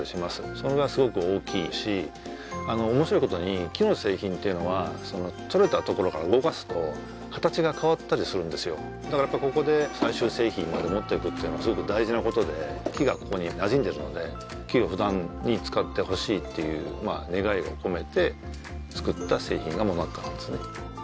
それがすごく大きいし面白いことに木の製品っていうのはとれたところから動かすと形が変わったりするんですよだからやっぱここで最終製品まで持って行くっていうのはすごく大事なことで木がここになじんでるので木をふだんに使ってほしいっていう願いを込めて作った製品がｍｏｎａｃｃａなんですね